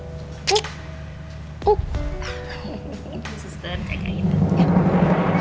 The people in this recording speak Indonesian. suster kayak kayak gitu